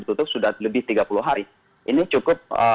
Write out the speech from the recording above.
tutup sudah lebih tiga puluh hari ini cukup